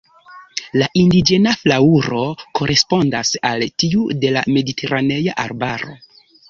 La indiĝena flaŭro korespondas al tiu de la mediteranea arbaro.